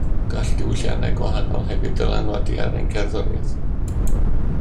Gall diwylliannau gwahanol hefyd ddylanwadu ar ein cerddoriaeth